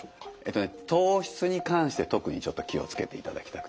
糖質に関して特にちょっと気を付けていただきたくて。